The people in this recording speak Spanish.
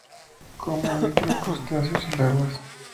Come micro crustáceos y larvas.